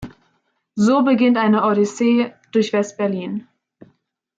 So beginnt eine Odyssee durch West-Berlin.